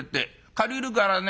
借りるからね。